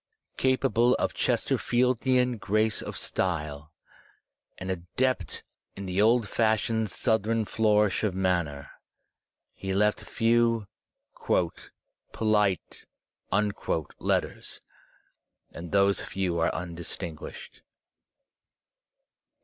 Capable of Chesterfieldian grace of style, and adept in the old fashioned Southern flourish of manner, he left few "poUte" letters, and those few are undistinguished.